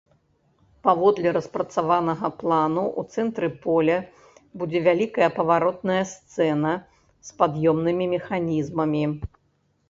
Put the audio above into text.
Паводле распрацаванага плану, у цэнтры поля будзе вялікая паваротная сцэна з пад'ёмнымі механізмамі.